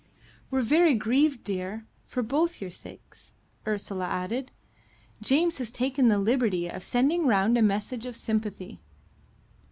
"We're very grieved, dear, for both your sakes," Ursula added. "James has taken the liberty of sending round a message of sympathy."